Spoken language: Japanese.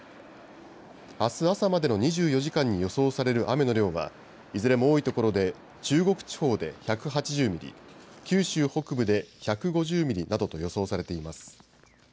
あす朝までの２４時間に予想される雨の量はいずれも多いところで中国地方で１８０ミリ、九州北部で１５０ミリなどと予想されています。